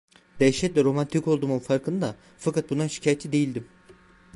Dehşetle romantik olduğumun farkında, fakat bundan şikayetçi değildim.